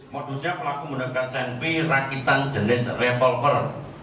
modusnya pelaku mendekat tnp rakitan jenis revolver